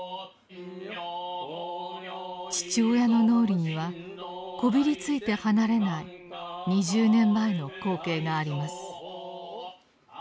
父親の脳裏にはこびりついて離れない２０年前の光景があります。